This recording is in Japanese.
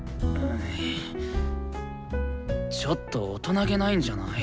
ちょっと大人気ないんじゃない？